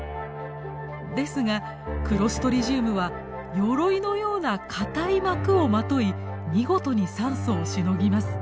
ですがクロストリジウムはよろいのような硬い膜をまとい見事に酸素をしのぎます。